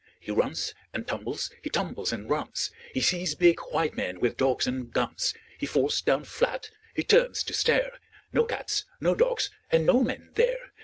He runs and tumbles, he tumbles and runs. He sees big white men with dogs and guns. He falls down flat. H)e turns to stare — No cats, no dogs, and no men there.